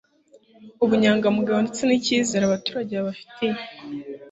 ubunyangamugayo ndetse n icyizere abaturage babafitiye